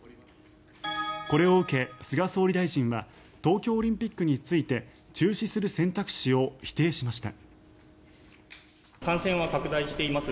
これを受け、菅総理大臣は東京オリンピックについて中止する選択肢を否定しました。